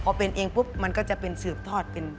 พอเป็นเองปุ๊บมันก็จะเป็นสืบทอดเป็น